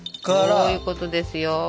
そういうことですよ。